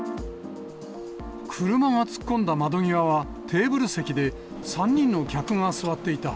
車が突っ込んだ窓際はテーブル席で３人の客が座っていた。